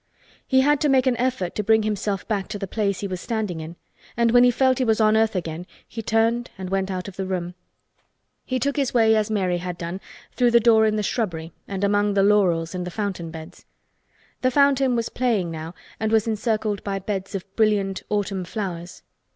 He had to make an effort to bring himself back to the place he was standing in and when he felt he was on earth again he turned and went out of the room. He took his way, as Mary had done, through the door in the shrubbery and among the laurels and the fountain beds. The fountain was playing now and was encircled by beds of brilliant autumn flowers.